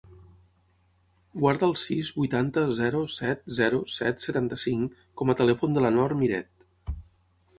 Guarda el sis, vuitanta, zero, set, zero, set, setanta-cinc com a telèfon de la Nor Miret.